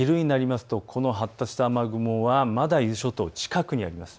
昼になると発達した雨雲がまだ伊豆諸島の近くにあります。